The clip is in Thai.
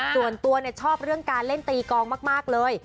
ส่วนตัวชอบเรื่องการเล่นตีกองมากเลย